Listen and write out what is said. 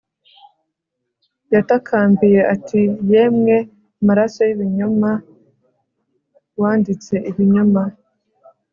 Yatakambiye ati Yemwe maraso yibinyoma wanditse ibinyoma